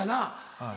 はい。